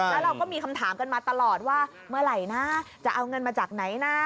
แล้วเราก็มีคำถามกันมาตลอดว่าเมื่อไหร่นะจะเอาเงินมาจากไหนนะ